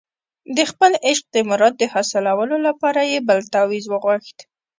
د خپل عشق د مراد د حاصلولو لپاره یې بل تاویز وغوښت.